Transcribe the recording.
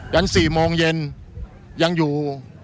ัน๔โมงเย็นยังอยู่